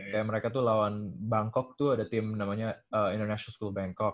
kayak mereka tuh lawan bangkok tuh ada tim namanya indonesia school bangkok